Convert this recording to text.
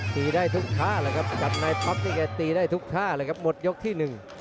ตีได้ทุกท่าแหละครับจัดในพร้อมนี้ก็ตีได้ทุกท่าแหละครับหมดยกที่๑